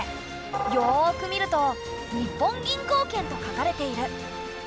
よく見ると日本銀行券と書かれている。